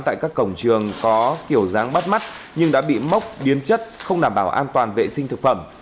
tại các cổng trường có kiểu dáng bắt mắt nhưng đã bị mốc biến chất không đảm bảo an toàn vệ sinh thực phẩm